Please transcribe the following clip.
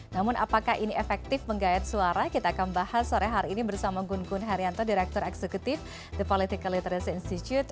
namun apakah ini efektif menggayat suara kita akan bahas sore hari ini bersama gun gun haryanto direktur eksekutif the political literacy institute